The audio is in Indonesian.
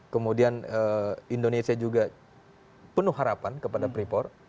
kemudian indonesia juga penuh harapan kepada freeport